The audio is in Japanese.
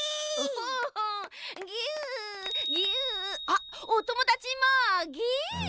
あっおともだちもぎゅっ！